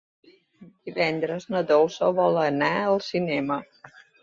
Divendres na Dolça vol anar al cinema.